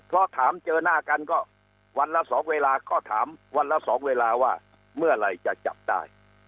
เพราะถามเจอหน้ากันก็วันละ๒เวลาก็ถามวันละ๒เวลาว่าเมื่อไหร่จะจับได้